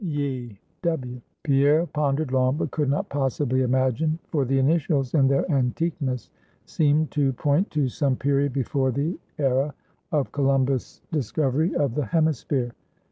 ye W?" Pierre pondered long, but could not possibly imagine; for the initials, in their antiqueness, seemed to point to some period before the era of Columbus' discovery of the hemisphere.